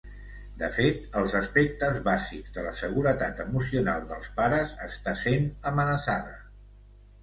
De fet, els aspectes bàsics de la seguretat emocional dels pares està sent amenaçada.